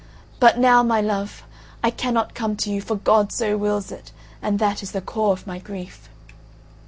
But now, my love, I cannot come to you; for God so wills it, and that is the core of my grief."